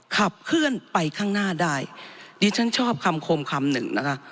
ขับเคลื่อนไปข้างหน้าได้ดิฉันชอบคำคมคำหนึ่งนะคะ